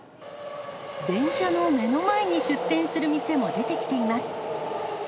電車の目の前に出店する店も出てきています。